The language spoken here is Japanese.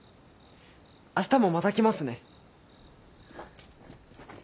あしたもまた来ますね。